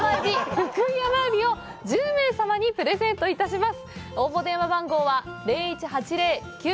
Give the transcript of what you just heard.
「ふくい甘えび」を１０名様にプレゼントいたします。